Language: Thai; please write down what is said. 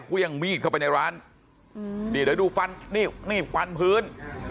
เครื่องมีดเข้าไปในร้านนี่เดี๋ยวดูฟันนี่นี่ฟันพื้น